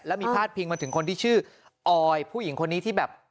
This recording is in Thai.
แล้วมีพาดพิงมาถึงคนที่ชื่อออยผู้หญิงคนนี้ที่แบบ